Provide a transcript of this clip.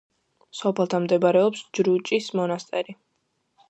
სოფელთან მდებარეობს ჯრუჭის მონასტერი.